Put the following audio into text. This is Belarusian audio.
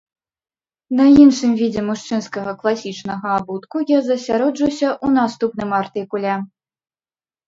На іншым відзе мужчынскага класічнага абутку я засяроджуся ў наступным артыкуле.